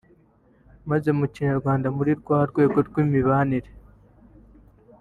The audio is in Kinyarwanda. Maze mu kinyarwanda muri rwa rwego rw’imibanire